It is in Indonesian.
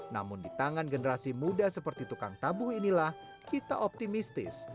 namun di tangan generasi muda seperti tukang tabuh inilah kita optimistis